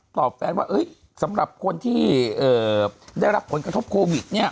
แฟนว่าสำหรับคนที่ได้รับผลกระทบโควิดเนี่ย